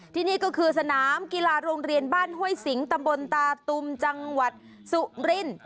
ที่นี่ก็คือสนามกีฬาโรงเรียนบ้านห้วยสิงตำบลตาตุมจังหวัดสุรินทร์